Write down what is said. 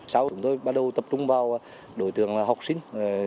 sau đó chúng tôi bắt đầu tập trung vào đối tượng học sinh